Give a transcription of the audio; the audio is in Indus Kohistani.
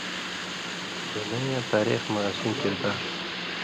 دُنئ یاں تاریخ مہ اسیں کردار،